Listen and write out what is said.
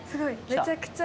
めちゃくちゃ。